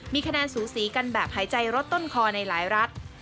มีคะแนนสูสีกันแบบหายใจรถต้นคอในหลายรัฐ